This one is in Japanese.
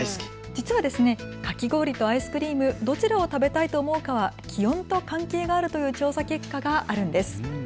実はかき氷とアイスクリーム、どちらを食べたいと思うかは気温と関係があるという調査結果があるんです。